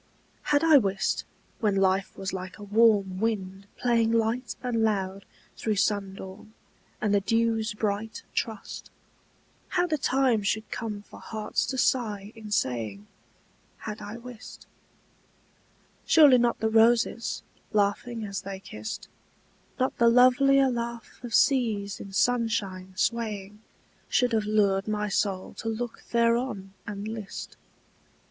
HAD I wist, when life was like a warm wind playing Light and loud through sundawn and the dew's bright trust, How the time should come for hearts to sigh in saying 'Had I wist'— Surely not the roses, laughing as they kissed, Not the lovelier laugh of seas in sunshine swaying, Should have lured my soul to look thereon and list.